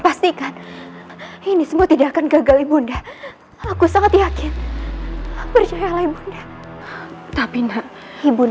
pastikan ini semua tidak akan gagal ibu aku sangat yakin percaya tapi nak ibu